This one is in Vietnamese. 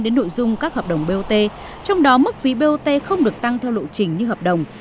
đến nội dung các hợp đồng bot trong đó mức phí bot không được tăng theo lộ trình như hợp đồng